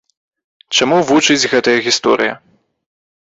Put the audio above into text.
Чаму вучыць гэтая гісторыя?